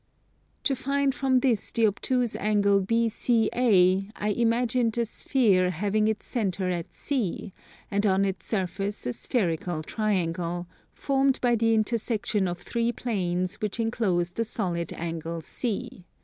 To find from this the obtuse angle BCA, I imagined a sphere having its centre at C, and on its surface a spherical triangle, formed by the intersection of three planes which enclose the solid angle C.